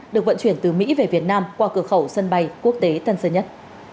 được vận chuyển từ mỹ về việt nam qua cửa khẩu sân bay quốc tế tân sơn nhất